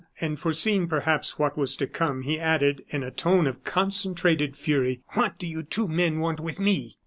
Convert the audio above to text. And foreseeing, perhaps, what was to come, he added, in a tone of concentrated fury: "What do you two men want with me?"